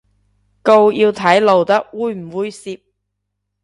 告要睇露得猥唔猥褻